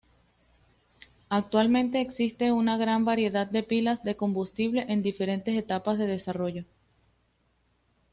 Actualmente existe una gran variedad de pilas de combustible en diferentes etapas de desarrollo.